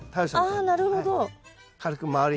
ああなるほど。